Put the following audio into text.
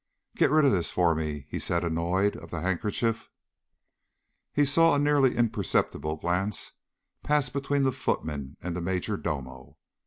"Get rid of this for me," he said annoyedly of the handkerchief. He saw a nearly imperceptible glance pass between the footman and the major domo.